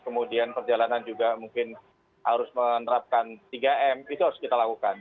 kemudian perjalanan juga mungkin harus menerapkan tiga m itu harus kita lakukan